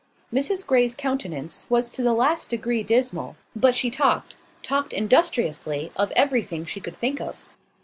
Mrs Grey's countenance was to the last degree dismal: but she talked talked industriously, of everything she could think of.